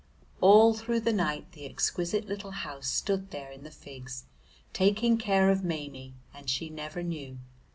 All through the night the exquisite little house stood there in the Figs taking care of Maimie, and she never knew.